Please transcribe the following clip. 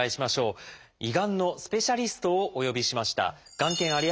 胃がんのスペシャリストをお呼びしました。